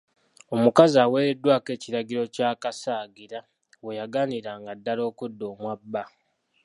Omukazi aweereddwako ekiragiro ky'akasagira bwe yagaaniranga ddala okudda omwa bba.